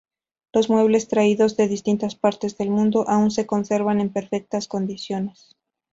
Los muebles traídos de distintas partes del mundo, aún se conservan en perfectas condiciones.